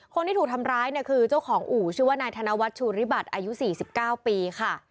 คนที่ถูกทำร้ายเนี่ยคือเจ้าของอู่ชื่อว่านายธนวัฒนชูริบัติอายุ๔๙ปีค่ะ